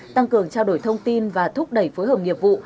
tăng cường trao đổi thông tin và thúc đẩy phối hợp nghiệp vụ